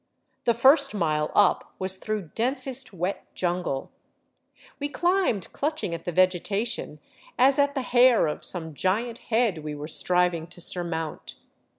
The first mile up was through densest wet jungle. We climbed clutching at the vegetation as at the hair of some giant head we were striving to surmount.